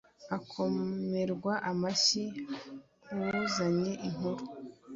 akomerwa amashyi uwuzanye inkuru